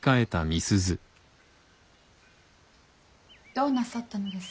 どうなさったのです？